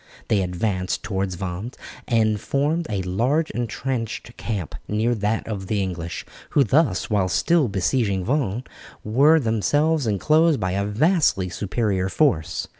They advanced towards Vannes and formed a large entrenched camp near that of the English, who thus, while still besieging Vannes, were themselves enclosed by a vastly superior force.